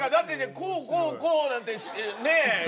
こうこうこうなんてねえ。